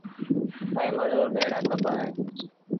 ائيٚݩ مزور ڀيڙآ ڪبآ اهيݩ